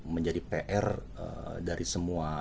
menjadi pr dari semua